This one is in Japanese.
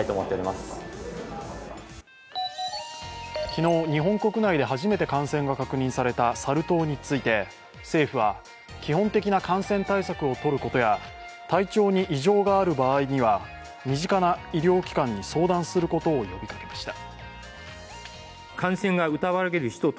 昨日、日本国内で初めて感染が確認されたサル痘について政府は、基本的な感染対策をとることや体調に異常がある場合には身近な医療機関に相談することを呼びかけました。